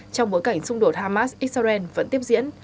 trong bối cảnh xung đột hamas israel vẫn tiếp diễn